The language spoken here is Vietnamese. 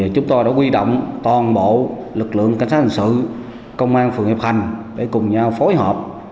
chúng tôi đã quy động toàn bộ lực lượng cảnh sát hành sự công an phường hiệp hành để cùng nhau phối hợp